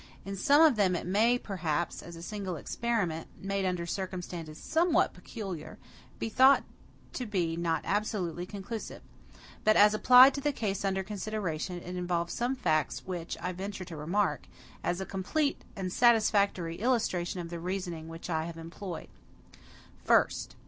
In some of them it may, perhaps, as a single experiment, made under circumstances somewhat peculiar, be thought to be not absolutely conclusive. But as applied to the case under consideration, it involves some facts, which I venture to remark, as a complete and satisfactory illustration of the reasoning which I have employed. First.